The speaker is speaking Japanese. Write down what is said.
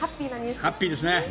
ハッピーですね。